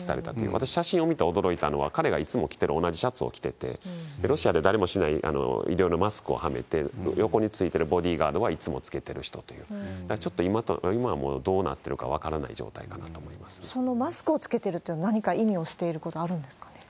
私、写真を見て驚いたのは、彼がいつも着てる同じシャツを着てて、ロシアで誰もしない色のマスクをはめて、横についてるボディーガードはいつもつけてる人という、ちょっと今はもうどうなってるかそのマスクを着けてるというのは何か意味をしていること、あるんですか？